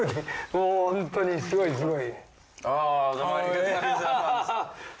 もうホントにすごいすごい。